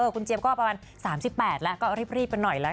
คุณเจี๊ยบก็ประมาณ๓๘แล้วก็รีบกันหน่อยแล้ว